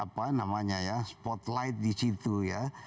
apa namanya ya spotlight di situ ya